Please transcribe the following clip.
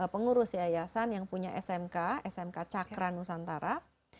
pengurus yayasan yang punya smk smk cakra nusantara